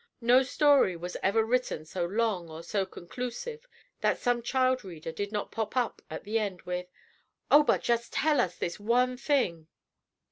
No story was ever written so long or so conclusive, that some child reader did not pop up at the end with, "Oh, but just tell us this one thing."